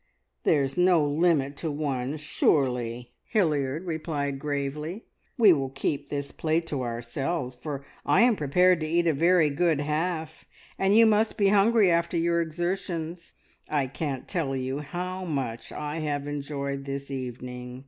"There's no limit to one, surely," Hilliard replied gravely. "We will keep this plate to ourselves, for I am prepared to eat a very good half, and you must be hungry after your exertions. I can't tell how much I have enjoyed this evening.